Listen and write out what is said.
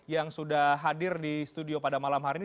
yang sudah hadir di studio ini